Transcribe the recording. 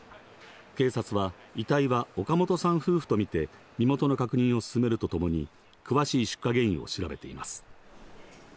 警察は遺体は岡本さん夫婦とみて身元の確認を進めるとともに詳しい出火原因を調べています。